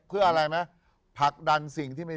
คิกคิกคิกคิกคิกคิกคิกคิก